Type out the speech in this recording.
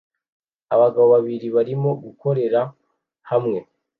Abagabo babiri barimo gukorera hamwe